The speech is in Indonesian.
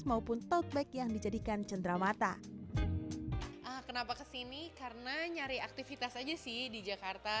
maupun tote bag yang dijadikan cenderamata kenapa kesini karena nyari aktivitas aja sih di jakarta